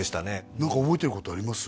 何か覚えてることあります？